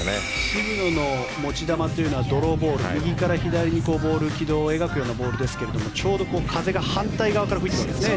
渋野の持ち球というのはドローボール右から左に軌道を描くようなボールですがちょうど風が反対側から吹いていたんですね